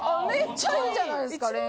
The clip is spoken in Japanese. めっちゃ良いじゃないですか。